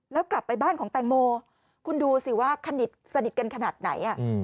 แล้วกลับไปบ้านของแตงโมคุณดูสิว่าสนิทกันขนาดไหน